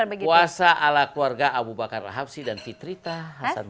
ya puasa ala keluarga abu bakar rahaf sih dan fitrita hasratul adha